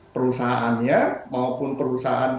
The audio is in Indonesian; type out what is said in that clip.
perusahaannya maupun perusahaan